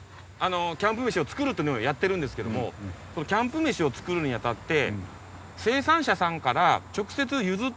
キャンプ飯を作るっていうのをやってるんですけどもキャンプ飯を作るにあたって。